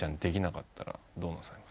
どうなさいますか？